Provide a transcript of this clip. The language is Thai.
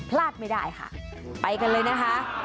พลาดไม่ได้ไปกันเลยนะครับ